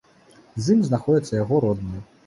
З ім знаходзяцца яго родныя.